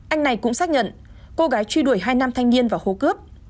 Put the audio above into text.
anh này cũng xác nhận cô gái truy đuổi hai nam thanh niên vào hố cướp